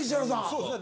そうですね。